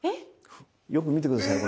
よく見て下さい。